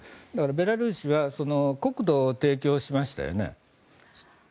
ベラルーシは国土を提供しましたよね。